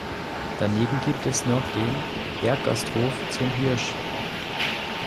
Daneben gibt es noch den "Berggasthof Zum Hirsch".